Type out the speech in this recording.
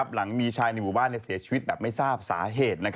หลังมีชายในหมู่บ้านเสียชีวิตแบบไม่ทราบสาเหตุ